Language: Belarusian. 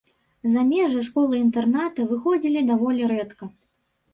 За межы школы-інтэрната выходзілі даволі рэдка.